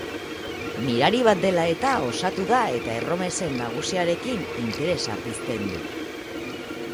Mirari bat dela eta, osatu da eta erromesen nagusiarekin interesa pizten du.